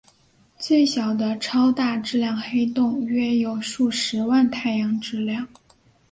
最小的超大质量黑洞约有数十万太阳质量。